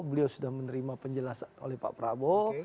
beliau sudah menerima penjelasan oleh pak prabowo